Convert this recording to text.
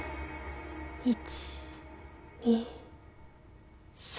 １２３。